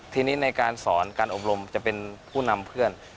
ทีนี้ในการสอนการอบรมจะเป็นผู้นำเพื่อน